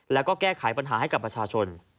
แล้วก็แก้ไขปัญหาให้กับประชาชน